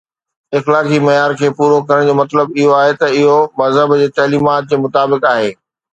اخلاقي معيار کي پورو ڪرڻ جو مطلب اهو آهي ته اهو مذهب جي تعليمات جي مطابق آهي.